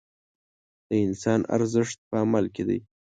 د انسان ارزښت په عمل کې دی.